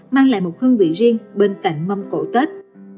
mang lại một hương vị riêng bên cạnh mâm cổ tết